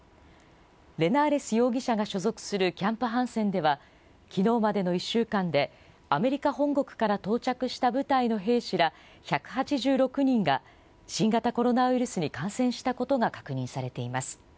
レナーレス容疑者が所属するキャンプ・ハンセンでは、きのうまでの１週間で、アメリカ本国から到着した部隊の兵士ら１８６人が、新型コロナウイルスに感染したことが確認されています。